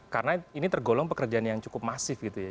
karena ini tergolong pekerjaan yang cukup masif gitu ya